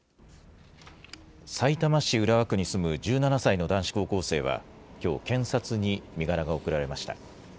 さいたま市浦和区に住む１７歳の男子高校生はきょう、検察に身柄が送られました。